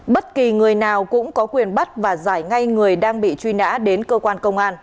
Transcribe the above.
bất kỳ người nào cũng có quyền bắt và giải ngay người đang bị truy nã đến cơ quan công an